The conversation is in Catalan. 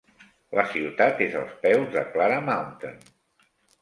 La ciutat és als peus de Clara Mountain.